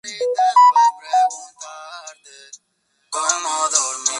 En algunos mapas figura como Río Fuensanta.